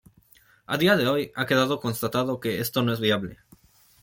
A día de hoy ha quedado constatado que esto no es viable.